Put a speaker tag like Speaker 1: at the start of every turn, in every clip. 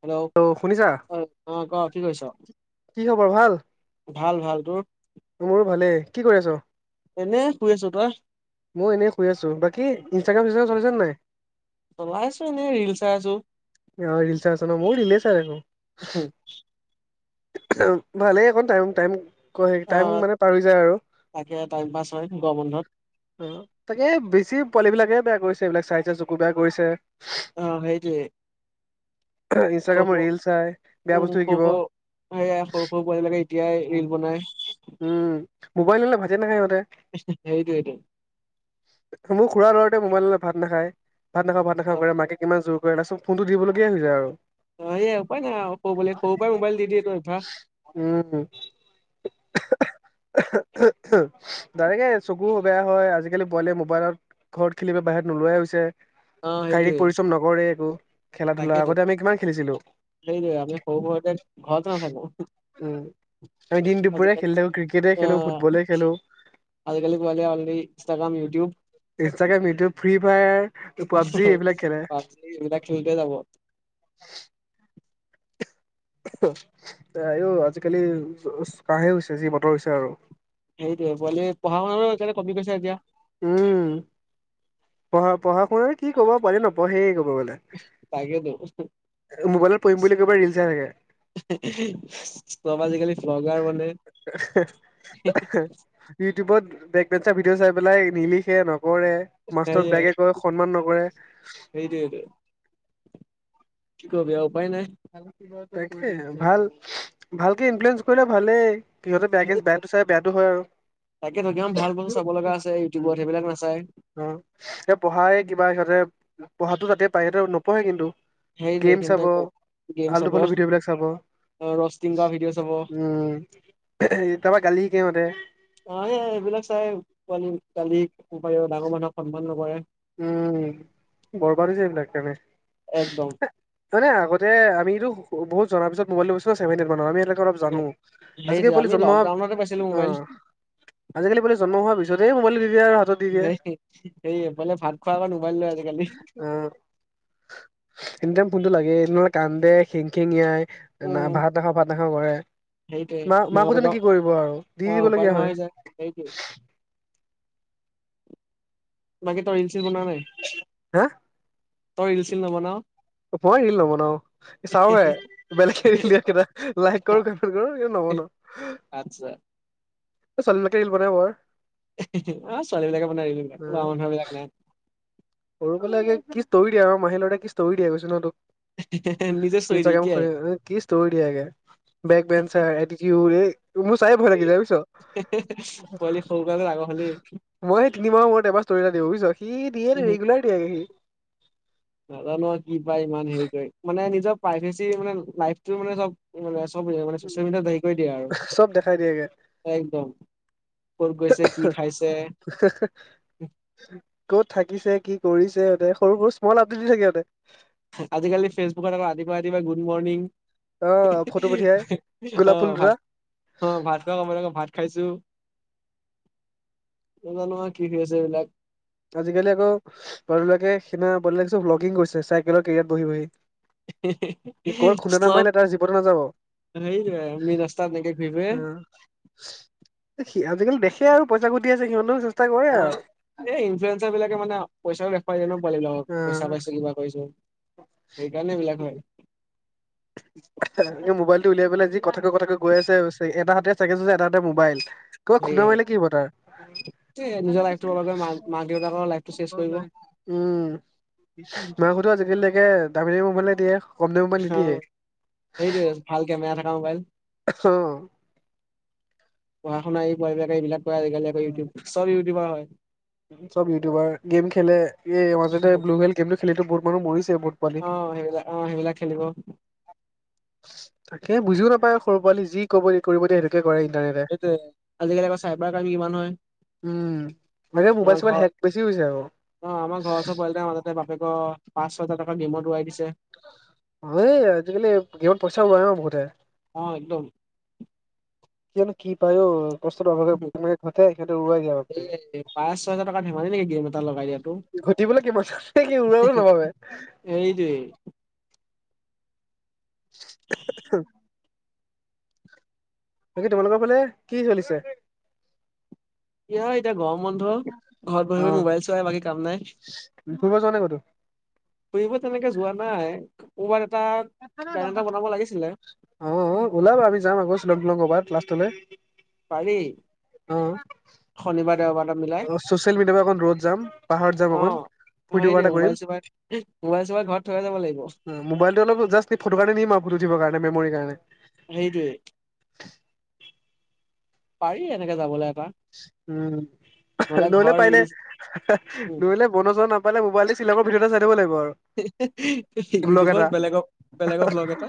Speaker 1: Hello, অ', ক' কি কৰিছ?
Speaker 2: কি খবৰ ভাল?
Speaker 1: তোৰ
Speaker 2: মোৰো ভালেই। কি কৰি আছ?
Speaker 1: এনে শুই আছো। তই?
Speaker 2: মই এনেই শুই আছো। বাকি ইনষ্টাগ্ৰাম- চিনষ্টাগ্ৰাম চলাইছনে নাই?
Speaker 1: চলাই আছো, এনেই ৰিল চাই আছো।
Speaker 2: অ', ৰিল চাই আচ ন', মইয়ো ৰিলে চাই আছো।
Speaker 1: [unintelligible]
Speaker 2: ভালেই অকন টাইম- টাইম ক, হেৰি
Speaker 1: অ
Speaker 2: টাইম মানে পাৰ যায় আৰু।
Speaker 1: তাকে টাইম পাছ হয় গৰম বন্ধত
Speaker 2: অ, ' তাকে বেছি পোৱালি বিলাকে বেয়া কৰিছে, এইবিলাক চাই- চাই চকু বেয়া কৰিছে।
Speaker 1: অ', সেইটোৱে। সৰু
Speaker 2: ইনষ্টাগ্ৰামত ৰিল চাই, বেয়া বস্তু শিকিব।
Speaker 1: সেইয়াই সৰু- সৰু পোৱালি বিলাকে
Speaker 2: উম', মোবাইল নহলে ভাতে নাখায় সিহঁতে।
Speaker 1: সেইটোৱে টো।
Speaker 2: মোৰ খুৰাৰ লৰাটোৱে মোবাইল নহলে ভাত নাখায়। ভাত নাখাওঁ, ভাত
Speaker 1: অ
Speaker 2: নাখাওঁ কৰে। মাকে কিমান জোৰ কৰে। কৰে তাৰপাচত ফোনটো দিবলগীয়া হয় যায় আৰু।
Speaker 1: অ, হয়, এই উপায় নাই সৰু পোৱালী, সৰুৰ পৰাই মোবাইল দি দিয়ে এইটো অভ্যাস।
Speaker 2: উম, উম। ডাইৰেক্টকে চকু বেয়া হয়, আজিকালি পোৱালীয়ে মোবাইলত ঘৰত খেলিব, বাহিৰত নোলোৱাই হৈছে।
Speaker 1: অ
Speaker 2: শাৰীৰিক
Speaker 1: সেইটোৱে
Speaker 2: পৰিশ্ৰম নকৰে। একো খেলা- ধূলা,
Speaker 1: তাকেতো
Speaker 2: আগতে আমি কিমান খেলিছিলো।
Speaker 1: সেইটোৱে আমি সৰু- সৰুতে ঘৰতে নাথাকো।
Speaker 2: উম। আমি দিন দুপৰীয়াই
Speaker 1: আজিকালি
Speaker 2: খেলি থাকো। ক্ৰিকেটেই
Speaker 1: অ
Speaker 2: খেলোঁ, ফুটবলে খেলোঁ।
Speaker 1: আজিকালি পোৱালিয়ে only Instagram YouTube
Speaker 2: Instagram, YouTube, Free Fire, PUBG এইবিলাক খেলে।
Speaker 1: পাবজি এইবিলাক খেলতে যাব।
Speaker 2: আও আজিকালি কাহে হৈছে যি বতৰ হৈছে আৰু।
Speaker 1: সেইটৱে পোৱালি পঢ়া শুনাটো কমি গৈছে এতিয়া।
Speaker 2: উম পঢ়া পঢ়া শুনাত কি ক'ব পাৰি নপঢ়েই ক'ব গলে।
Speaker 1: তাকেটো।
Speaker 2: মোবাইলত পঢ়িম বুলি কই পেলাই ৰিল চাই থাকে।
Speaker 1: চব আজিকালি ভ্লগাৰ মানে।
Speaker 2: ইউটিউবত বেক বেনচাৰ ভিডিঅ' চাই পেলাই নিলিখে নকৰে। মাষ্টৰক
Speaker 1: সেইয়াই।
Speaker 2: বেয়াকে কয় সন্মান নকৰে
Speaker 1: সেইটোৱে কি কৰিব আৰু উপায় নাই।
Speaker 2: তাকে ভাল ভালকে ইনফ্লয়েঞ্চ কৰিলে ভালেই। সিহঁতে বেয়া বেয়াটো চাই বেয়াটো হয় আৰু।
Speaker 1: তাকেটো কিমান ভাল ভাল চাব লগা আছে
Speaker 2: উম
Speaker 1: ইউটিউবত সেইবিলাক নাচায়।
Speaker 2: অ', এ পঢ়াই কিবা সিহঁতে পঢ়াতটো তাতে পায় সহঁতে নপঢ়ে কিন্তু।
Speaker 1: হেইটোৱে [unintelligible]
Speaker 2: আলটো ফালটো ভিডিঅ' বিলাক চাব।
Speaker 1: কুকিং কৰা ভিডিঅ চাব।
Speaker 2: উম এ তাৰপা গালি শিকে সিহঁতে
Speaker 1: অ', এইবিলাক চাই পোৱালি গালি ক পাৰি ডাঙৰ মানুহক সন্মান নকৰে।
Speaker 2: উম বৰবাদ হৈ যায় এইবিলাক কাৰণে।
Speaker 1: একদম।
Speaker 2: মানে আগতে আমিটো বহুত জনা পিছত মোবাইলটো চলাইছিলো ন চেভেন মান আমি অলপ জানো আজিকালি
Speaker 1: সেইটোৱে
Speaker 2: পলি
Speaker 1: আমি
Speaker 2: জন্ম হোৱা
Speaker 1: লকডাউনতে পাইছিলো মোবাইল
Speaker 2: আহ। আজিকালি পোৱালি জন্ম হোৱাৰ পিছতে মোবাইলটো দিয়ে আৰু হাতত। দি দিয়ে
Speaker 1: এইফালে ভাত খোৱা আগত মোবাইল লৈ আজিকালি।
Speaker 2: অ', এনিতাইম ফোনটো লাগে নহলে কান্দে খিং খিং আই নাই
Speaker 1: উম
Speaker 2: ভাত নাখা ভাত নাখাওঁ কৰে
Speaker 1: সেইটোৱে
Speaker 2: মা
Speaker 1: মাক
Speaker 2: মাকোহতেনো
Speaker 1: বাপেকক
Speaker 2: কি কৰিব আৰু দি দিবলগীয়া হয়।
Speaker 1: সেইটো। বাকী তই ৰিল চিল বনোৱা নাই।
Speaker 2: হা।
Speaker 1: তই ৰিল চিল নবনাৱ
Speaker 2: মই ৰিল নবনাও। চাও হে বেলেগে ৰিল দিয়া কেইটা লাইক কৰো কমেণ্ট কৰো কিন্তু নবনাও
Speaker 1: আচছা।
Speaker 2: ছোৱালী বিলাকহে ৰিল বনাই
Speaker 1: অ', ছোৱালিবিলাকে বনাই ৰিল লৰা মানুহৰ বিলাক নাই।
Speaker 2: সৰু পালাইগে কি ষ্টৰি দিয়ে আৰু মাহী লৰা কি ষ্টৰি দিয়ে কৈছোঁ নহয়
Speaker 1: নিজে
Speaker 2: তোক।
Speaker 1: চৰি দিয়ে
Speaker 2: ইনষ্টাগ্ৰাম
Speaker 1: এতিয়াই
Speaker 2: খুলি নি কি ষ্টৰি দিয়ে একে। বেক বেঞ্চাৰ এ টি টিউদ এই মোৰ চাই ভয় লাগি যায় বুজিছ।
Speaker 1: পোৱালি সৰু পোৱালী ডাঙৰ হলেই
Speaker 2: মই তিনি মাহৰ মূৰত এবাৰ ষ্টৰি এটা দিও বুজিছ সি দিয়ে ৰেগুলাৰ দিয়ে সি
Speaker 1: নাজানো আৰু কি পায় ইমান হেৰি কৰি মানে নিজৰ প্ৰাইভেচি মানে লাইটো মানে চব মানে চব চচিয়েল মিডিয়াত হেৰি কৰি দিয়ে আৰু
Speaker 2: চব দেখাই দিয়েগে
Speaker 1: একদম ক'ত গৈছে কি খাইছে
Speaker 2: সেহ সেহ [unintelligible] ক'ত থাকিছে, কি কৰিছে ইহঁতে, সৰু-সৰু স্মল আপডেট দি থাকে ইহঁতে।
Speaker 1: আজিকালি ফেচবুকত আকৌ ৰাতিপুৱাই-ৰাতিপুৱাই গুড মৰ্ণিং।
Speaker 2: অ, ফটো পঠিয়ায়, গোলাপ ফুল
Speaker 1: অ',
Speaker 2: দুটা।
Speaker 1: ভাত অ ভাত খোৱা সময়ত আকৌ ভাত খাইছো। নাজানো আৰু কি কি হৈছে এইবিলাক।
Speaker 2: আজিকালি আকৌ [unintelligible] বিলাকে [unintelligible] ভ্লগিং কৰিছে চাইকেলৰ কেৰিয়াত বহি বহি।
Speaker 1: হি হি,
Speaker 2: ক'ত খুন্দা এটা
Speaker 1: চ্লপ
Speaker 2: মাৰিলে তাৰ জীৱনটো নাযাব অ
Speaker 1: সেইটোৱে মেইন ৰাস্তাত এনেকে ঘুৰি ফুৰে।
Speaker 2: সি আজিকালি দেখে আৰু পইচা ঘটি আছে সিহতেও চেষ্টা
Speaker 1: অ',
Speaker 2: কৰে আৰু।
Speaker 1: এই ইনফ্লুৱেঞ্চাৰ বিলাকে মানে পইচাও দেখুৱাই দিয় ন' পোৱালিবিলাকক পইচা পাইছো, কিবা কৰিছো। সেইকাৰণে এইবিলাক হয়।
Speaker 2: [inaudible] এ মোবাইলটো উলিয়াই পেলাই যি কথাকৈ, কথাকৈ গৈ আছে। এটা হাতে চাইকেল চলাইছে এটা হাতে মোবাইল। কবাত
Speaker 1: সেই
Speaker 2: খুন্দ মাৰিলে কি হ'ব তাৰ?
Speaker 1: এ নিজৰ লাইফটো বৰবাদ কৰি মাক মাক দেউতাকৰ লাইফটো চেচ কৰিব
Speaker 2: উম, মাকহতেও আজিকালি তাকে দামী দামী মোবাইলে দিয়ে কম দামী মোবাইল নিদিয়ে।
Speaker 1: অ', সেইটোৱে ভাল কেমেৰা থাকা মোবাইল।
Speaker 2: [unintelligible]
Speaker 1: পঢ়া-শুনা এৰি পোৱালিবিলাকে এইবিলাক কৰে আজিকালি আকৌ
Speaker 2: উম
Speaker 1: ইউটিউব, চব ইউটিউবাৰ হয়।
Speaker 2: চব ইউটিউবাৰ, গেম খেলে এই মাজতে ব্লু হেল গেমটো খেলিটো বহুত মানুহ মৰিছে বহুত পোৱালি।
Speaker 1: অ সেইবিলাক অ সেইবিলাক খেলিব।
Speaker 2: তাকে বুজিও নাপায় সৰু পোৱালি যি কব দি কৰিব দিয়ে সেইটোকে কৰে ইণ্টাৰনেটে।
Speaker 1: সেইটোৱে আজিকালি আকৌ চাইবাৰ ক্ৰাইম কিমান হয়
Speaker 2: উম, মানে
Speaker 1: আমাৰ
Speaker 2: মোবাইল-চোবাইল
Speaker 1: ঘৰ
Speaker 2: হেক বেছি হৈছে আক'।
Speaker 1: পোৱালী এটা মাজতে বাপেকৰ পাচ ছয় লাখ টকা এটা গেইমত উৰাই দিছে।
Speaker 2: অ এই আজিকালি গেমত পইচা উৰায় ন' বহুতে।
Speaker 1: অ একদম।
Speaker 2: কিয়নো, কি পায় অ।
Speaker 1: এই পাঁচ ছয়
Speaker 2: [unintelligible]
Speaker 1: হাজাৰ টকা ধেমালি নেকি গেম এটা লগাই দিয়াতো
Speaker 2: ঘটিবলৈ [unintelligible]
Speaker 1: এইটোৱেই।
Speaker 2: [inaudible] বাকী তোমালোকৰ ফালে কি চলিছে?
Speaker 1: কি হয় এতিয়া গৰম বন্ধ। ঘৰত বহি
Speaker 2: অ।
Speaker 1: বহি মোবাইল চোৱাই বাকী কাম নাই।
Speaker 2: ফুৰিব যোৱা নাই ক'তো
Speaker 1: ফুৰিব তেনেকে যোৱা নাই। ক'বাত এটা প্লেন এটা বনাব লাগিছিলে।
Speaker 2: অ অ, ওলাবা আমি যাম আকৌ শ্বিলং-টিলং ক'বাত, লাষ্টলে।
Speaker 1: পাৰি, শনিবাৰ দেওবাৰ এটা মিলাই
Speaker 2: অ চচিয়েল মিডিয়াৰ পৰা অকণ দূৰত যাম, পাহাৰত যাম অকণ, ফুৰ্টি- ফাৰ্টা কৰিম।
Speaker 1: [unintelligible] মোবাইল-চোবাইল ঘৰত থৈয়ে যাব লাগিব।
Speaker 2: উম মোবাইলটো অলপ জাষ্ট এই ফটো কাৰণে নিম আৰু ফটো উঠিব কাৰণে, মেমোৰি কাৰণে।
Speaker 1: সেইটোৱেই। পাৰি এনেকে যাবলে এপাক।
Speaker 2: উম নহ'লে পাৰিলে,
Speaker 1: ৰিলচ
Speaker 2: নহ'লে মনোৰঞ্জন নাপালে মোবাইলটে শ্বিলঙৰ ভিডিওটে চাই থাকিব লাগিব আৰু। ব্লগ
Speaker 1: ইউটিউবত
Speaker 2: এটা,
Speaker 1: বেলেগক বেলেগৰ ভ্লগ এটা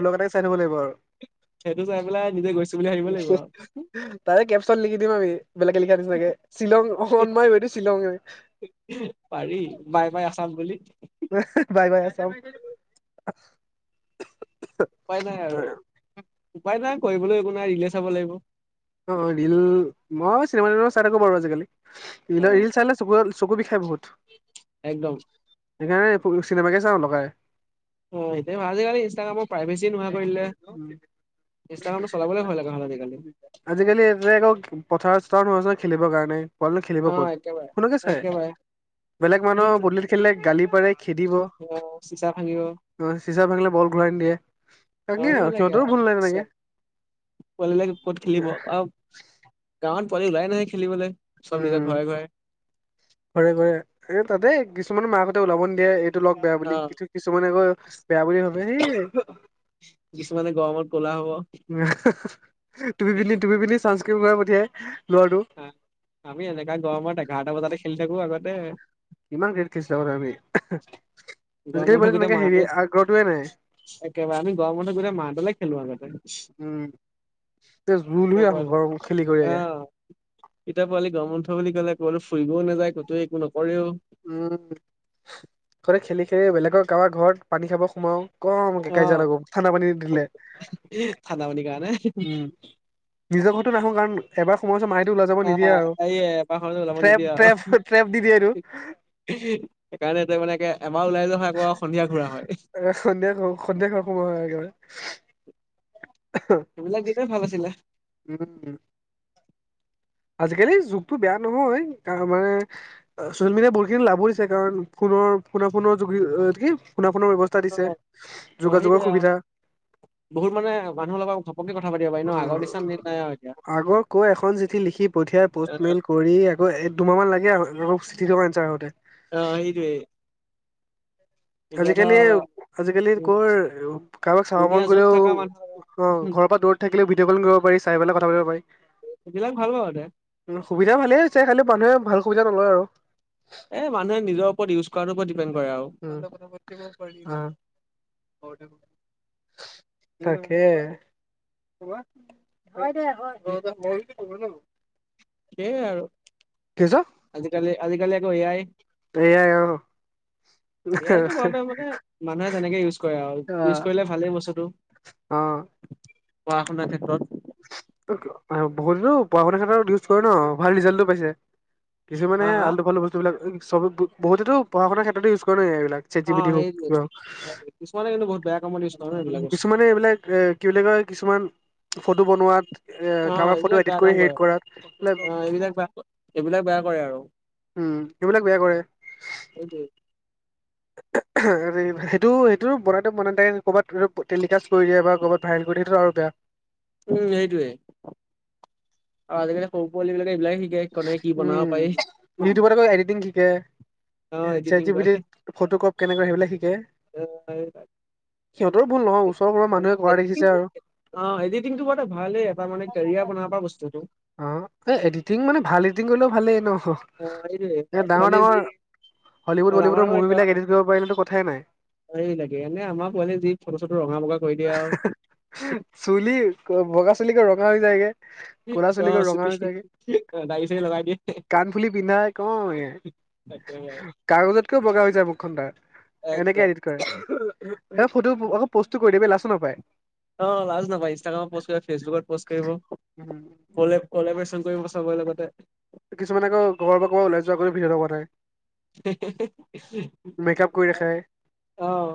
Speaker 2: ব্লগ এটাকে চাই থাকিব লাগিব আৰু।
Speaker 1: সেইটো চাই পেলাই নিজে গৈছো বুলি ভাবিব লাগিব আৰু
Speaker 2: তাৰে কেপচন লিখি দি ম আমি বেলেগে লিখা নিচিনাকে শ্বিলং অনমাই ওৱেএ টো শ্বিলং।
Speaker 1: পাৰি বাই, বাই, আচাম বুলি।
Speaker 2: বাই, বাই, আছাম
Speaker 1: উপায় নাই আৰু উপায় নাই কৰিবলৈ, একো নাই ৰিলে চাব লাগিব।
Speaker 2: অ, অ, ৰিল মই চিনেমা-তিনেমা চাই থাকোঁ বাৰু, আজিকালি।
Speaker 1: অ
Speaker 2: ৰিলৰ, ৰিল চালে চকু, চকু বিষাই বহুত।
Speaker 1: একদম।
Speaker 2: সেইকাৰণে চিনেমাকে, চাওঁ লগাই।
Speaker 1: অ, এতিয়া ভালে হ'ল ইনষ্টাগ্ৰামৰ, প্ৰাইভেচি নোহোৱা কৰি দিলে।
Speaker 2: উম,
Speaker 1: ইনষ্টাগ্ৰাম চলাবলৈ ভয় লগা হ'ল, আজিকালি।
Speaker 2: আজিকালি এ, আকৌ পথাৰ-চথাৰ নোহোৱা হ'ল, আছে ন, খেলিবৰ কাৰণে। বলনো, খেলিব
Speaker 1: অ
Speaker 2: ক'ত,
Speaker 1: একেবাৰে
Speaker 2: ফোনকে চাই,
Speaker 1: একেবাৰে
Speaker 2: বেলেগ মানুহৰ
Speaker 1: সেইটোৱে
Speaker 2: পদুলিট খেলিলে, গালি পাৰে। খেদিব অ,
Speaker 1: চিচা ভাঙিব
Speaker 2: চিচা ভাঙিলে বল ঘূৰাই নিদিয়ে।
Speaker 1: অ
Speaker 2: তাকে সিহঁতৰো ভুল নাই তেনেকে।
Speaker 1: পোৱালি বিলাক ক'ত খেলিব আৰু গাঁৱত পোৱালি ওলাই নাহয় খেলিবলৈ, চব নিজৰ ঘৰে ঘৰে।
Speaker 2: ঘৰে ঘৰে এ, তাতে কিছুমান মাকতে ওলাব নিদিয়ে এইটো লগ বেয়া
Speaker 1: অ
Speaker 2: বুলি, কি কিছুমানে আকৌ বেয়া বুলি ভাবে সেই
Speaker 1: কিছুমানে গৰমত কলা হ'ব।
Speaker 2: তুপি পিন্ধি, তুপি পিন্ধি, চানস্ক্ৰীিন লগাই পঠিয়াই, লৰাটো।
Speaker 1: আমি এনেকা গৰমত এঘাৰটা বজাতে খেলি থাকো আগতে।
Speaker 2: কিমান কিৰ্কেত খেলিছিলো আমি,
Speaker 1: গৰম
Speaker 2: আজিকালি
Speaker 1: বন্ধ
Speaker 2: পোৱালিৰ
Speaker 1: গোটেই
Speaker 2: তেনেকে
Speaker 1: মাহটো
Speaker 2: হেৰি আগ্ৰহ টোৱে নাই।
Speaker 1: একেবাৰে আমি গৰম বন্ধত গোটেই মাহডলে খেলো আৰু আগতে।
Speaker 2: তে, জুল
Speaker 1: তেতিয়া
Speaker 2: আহো ঘৰ খেলি কৰি একে।
Speaker 1: এতিয়াৰ পোৱালি গমৰ বন্ধ বুলি ক'লে, কৰবালে ফুৰিবও নাযায়, ক'তো একো নকৰেও।
Speaker 2: উম গোটেই খেলি, খেলি বেলেগৰ কাৰবাৰ ঘৰত পানী খাব সোমাও। কম কাজিয়া লাগো, ঠানা পানী নিদিলে।
Speaker 1: ঠান্দা পানীৰ, কাৰনে?
Speaker 2: উম, নিজৰ ঘৰতো নহু কাৰণ এবাৰ সময়ছো মাহেটো ওলাই যাব নিদিয়ে আৰু
Speaker 1: আহ এই এবাৰ খাওঁতে ওলাব
Speaker 2: ট্ৰেপ,
Speaker 1: নিদিয়ে আৰু
Speaker 2: ট্ৰেপ, ট্ৰেপ, দি দিয়েটো।
Speaker 1: সেইকাৰণে ত, মানে এবাৰ ওলাই যোৱা হয়, আকৌ সন্ধিয়া ঘুৰা হয়।
Speaker 2: এ, সন্ধিয়া ঘৰ, সন্ধিয়া ঘৰ, সোমোৱা হয় একেবাৰে।
Speaker 1: সেইবিলাক দিনে, ভাল আছিলে।
Speaker 2: উম, আজিকালি যুগতটো বেয়া নহয়, কাৰণ আমাৰ ছচিয়েল মিডিয়া, বহুতখিনি লাভ হৈছে, কাৰণ ফো, ফোনাফোনৰ, যোগ কি, ফোনাফোনৰ বৱ
Speaker 1: অ
Speaker 2: দিছে,
Speaker 1: অ
Speaker 2: যোগাযোগৰ
Speaker 1: সেইটোয়ে আৰু
Speaker 2: সুবিধা।
Speaker 1: মানে বহুত মানে, মানুহ লগ [inaudible] কথা পাতি।
Speaker 2: আগৰ কৈ, এখন চিঠি লিখি, পঠিয়াই প'ষ্টমেইল। কৰি আকৌ এক, দুমাহমান লাগে, আকৌ চিঠি থকা আনঞ্চাৰ আহোঁতে।
Speaker 1: অ, সেইটোৱে।
Speaker 2: আজিকালি, আজিকালি
Speaker 1: উম
Speaker 2: ক'ৰ, কাৰোবাক চাব
Speaker 1: দুুনীয়া
Speaker 2: মন
Speaker 1: য'ত
Speaker 2: গলেও অ,
Speaker 1: থকা মানুহ
Speaker 2: ঘৰৰ পৰা দূৰত থাকিলে ভিডিঅ, ক'ল কৰিব পাৰি, চাই পেলাই কথা পাব পাৰি।
Speaker 1: সিবিলাক ভাল পাবা, এ
Speaker 2: উম, সুবিধা ভালেই হৈছে, খালি মানুহে ভাল সুবিধা নলয় আৰু।
Speaker 1: এই, মানুহে নিজৰ ওপৰত ইউজ কৰাৰ ওপৰত ডিপেণ্ড কৰে আৰু।
Speaker 2: উম আ তাকে হয় দে হয়
Speaker 1: সেইয়াই আৰু আজিকালি আজিকালি আকৌ এআই
Speaker 2: এ আই আৰু
Speaker 1: এ আই তো বৰতে মানে মানুহে যেনেকে ইউজ কৰে আৰু ইউজ কৰিলে ভালেই বস্তুটো
Speaker 2: অঁ
Speaker 1: পঢ়া শুনাৰ ক্ষেত্ৰত
Speaker 2: বহুতেতো পঢ়া শুনাৰ ক্ষেত্ৰত ইউজ কৰে ন ভাল ৰিজাল্টো পাইছে। কিছুমানে
Speaker 1: হা
Speaker 2: হে
Speaker 1: হা
Speaker 2: আলতু ফালতূ বস্তুবিলাক চব বহুতেতো পঢ়া শুনাৰ ক্ষেত্ৰতে ইউজ কৰে এইবিলাক chat G
Speaker 1: uh
Speaker 2: P T হওক
Speaker 1: সেইটোৱে
Speaker 2: কিবা হওক
Speaker 1: হয়। কিছুমানে কিন্তু বহুত বেয়া কামত ইউজ কৰে ন
Speaker 2: উম
Speaker 1: এইবিলাক বস্তু
Speaker 2: কিছুমানে এইবিলাক এ কি বুলি কয় কিছুমান ফটো বনোৱাত
Speaker 1: অ
Speaker 2: কাৰবাৰ ফটো
Speaker 1: এইবিলাক
Speaker 2: এডিট
Speaker 1: বেয়া
Speaker 2: কৰি
Speaker 1: কাম
Speaker 2: হেৰি
Speaker 1: কৰে
Speaker 2: কৰাত এইবিলাক
Speaker 1: এইবিলাক বা ক সেইবিলাক বেয়া কৰে আৰু।
Speaker 2: উম এইবিলাক বেয়া কৰে
Speaker 1: সেইটোৱে।
Speaker 2: [inaudible] সেইটো সেইটো বনাওতে বনাওতে ক'ৰবাত এইটো টেলিকাষ্ট কৰি দিয়ে বা ক'ৰবাত ভাইৰেল কৰি দিয়ে সেইটো আৰু বেয়া
Speaker 1: উম সেইটোৱে। আৰু আজিকালি সৰু পোৱলীবিলাকে এইবিলাক শিকি
Speaker 2: উম ইউটিউবত আকৌ এডিটিং শিকে।
Speaker 1: অ
Speaker 2: শ্বাত
Speaker 1: এডিটিং
Speaker 2: জি পি
Speaker 1: কৰে
Speaker 2: টিত ফটো কপ কেনেকৈ সেইবিলাক শিকে সিহঁতৰ ভুল নহয় ওচৰ কোনোবা মানুহে কৰা দেখিছে আৰু।
Speaker 1: অঁ এডিটিংটো বৰ এটা ভালেই এটা মানে কেৰিয়াৰ বনাব পৰা বস্তু।
Speaker 2: অঁ এই এডিটিং মানে ভাল এডিটিং কৰিলেও ভালেই ন
Speaker 1: অ সেইটোৱে
Speaker 2: এ ডাঙৰ
Speaker 1: পোৱালি যি
Speaker 2: ডাঙৰ হলিউড
Speaker 1: ডাঙৰ
Speaker 2: বলিউডৰ মুভি বিলাক এডিত কৰিবি পাৰিলেটো কথা
Speaker 1: এইবিলাকে এনে আমাৰ পোৱালি যি ফটো চটো ৰঙা বঙা কৰি দিয়ে আৰু
Speaker 2: চুলি বগা চুলিকো ৰঙা হৈ যায়গে ক'লা চুলিকো ৰঙা হৈ যায়গে
Speaker 1: দাৰি চাৰি লগাই দিয়ে।
Speaker 2: কাণফুলি পিন্ধাই কওঁ এই
Speaker 1: একেবাৰে
Speaker 2: কাগজতকেও বগা হৈ যায় মুখখন তাৰ
Speaker 1: একদম
Speaker 2: এনেকে এ ডিত কৰে হেই ফটো আকৌ প'ষ্টটো কৰি দিয়ে লাজো নাপায়
Speaker 1: অ লাজ নাপায় ইনষ্টাগ্ৰামত পষ্ট কৰিব ফেচবুকত পষ্ট কৰিব। কলে কলেবৰেচন কৰিব চবৰে লগতে।
Speaker 2: কিছুমান আকৌ ঘৰৰ পৰা আকৌ ওলাই যোৱাকৈ ভিডিঅ এটা বনাই। মেকআপ কৰি দেখাই
Speaker 1: অঁহ।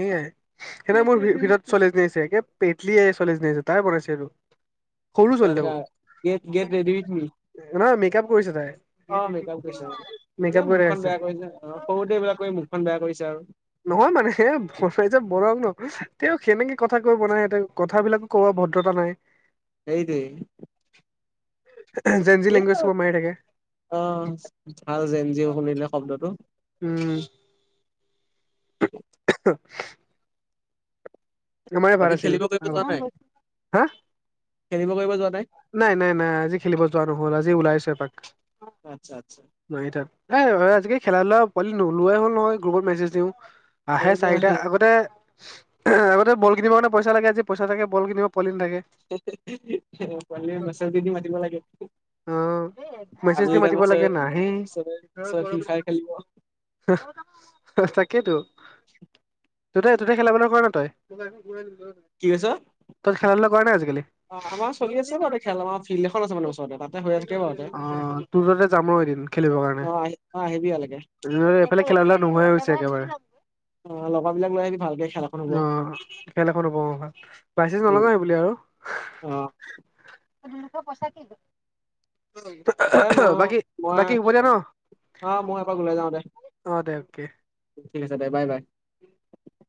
Speaker 2: সেয়াই সেইদিনা মোৰ ভিভিঅত ছোৱালী এজনী আহিছে কে পেতলী এই ছোৱালীজনী তাই বনাইছে এইবোৰ
Speaker 1: গেত ৰেডি উইথ মি
Speaker 2: নহয় মেক আপ কৰিছে তাই।
Speaker 1: অ মেকআপ কৰিছে অ
Speaker 2: মেকআপ
Speaker 1: নিজে
Speaker 2: কৰি
Speaker 1: মুখখন
Speaker 2: দেখাইছে
Speaker 1: বেয়া কৰিছে সৰুতে এইবিলাক কৰি মুখখন বেয়া কৰিছে আৰু।
Speaker 2: নহয় মানে ভৰ পাইছে বৰ নহ তেওঁ সেনেকে কথা কৈ বনাই তেওঁ কথাবিলাকো কব ভদ্ৰতা নাই
Speaker 1: সেইটোৱে
Speaker 2: জেনজি
Speaker 1: সেই
Speaker 2: লেংগুৱেজ সোপা মাৰি থাকে
Speaker 1: আৰু অ ভাল যেন জি অ' শুনিলে শব্দটো
Speaker 2: উম। [inaudible] আমাৰে
Speaker 1: বাকী
Speaker 2: ভাল আছিল
Speaker 1: খেলিব কৰিব যোৱা নাই
Speaker 2: আগত হা!
Speaker 1: খেলিব কৰিব যোৱা নাই?
Speaker 2: নাই নাই নাই আজি খেলিব যোৱা নহ'ল আজি ওলাইছো এপাক।
Speaker 1: আচ্ছা আচ্ছা।
Speaker 2: নাই তাত এই আজিকালি খেলা ধূলা পোৱালি নোলোৱাই হ'ল নহয় গ্ৰুপত মেছেজ দিওঁ। আহে
Speaker 1: সেইটো
Speaker 2: চাৰিটা আগতে আগতে বল কিনিব কাৰণে পইচা লাগে আজি পইচা থাকে বল কিনিব পোৱালী নাথাকে।
Speaker 1: পোৱালিক মেচেজ দি দি মাতিব লাগে।
Speaker 2: অ', মেছেজ
Speaker 1: আবেলি
Speaker 2: দি মাতিব
Speaker 1: টাইমত চবে
Speaker 2: লাগে নাহেই।
Speaker 1: চবে চবে ফ্ৰী ফায়াৰ খেলিব
Speaker 2: তাকেতো।
Speaker 1: [inaudible]
Speaker 2: তহঁতে তহঁতে খেলা ধূলা কৰা ন তই,
Speaker 1: কি কৈছ
Speaker 2: তই খেলা ধূলা কৰা নাই আজিকালি?
Speaker 1: অ', আমাৰ চলি আছে বাৰু খেলনা আমাৰ ফিল্ড এখন আছে মানে ওচৰতে তাতে হৈ থাকে বাৰুতে।
Speaker 2: অ', তোৰ তাতে যাম ৰ এদিন
Speaker 1: অ' আহি অ', আহিবি ইয়ালেকে।
Speaker 2: এ এইফালে খেলা ধূলা নোহোৱাই হৈছে একেবাৰে।
Speaker 1: অ লগৰ বিলাক লৈ আহিবি ভালকে খেল এখন হ'ব
Speaker 2: অ', খেল এখন হ'ব অ' হয় পাইচেছ
Speaker 1: উম
Speaker 2: নলগাই সেই বুলিয়ে আৰু।
Speaker 1: অ'।
Speaker 2: [inaudible]
Speaker 1: দে মই
Speaker 2: বাকী
Speaker 1: মই
Speaker 2: বাকী হ'ব দিয়া ন।
Speaker 1: অ', মই এপাক ওলাই যাওঁ দে।
Speaker 2: অ', দে অকে
Speaker 1: ঠিক আছে দে বাই বাই।
Speaker 2: [inaudible]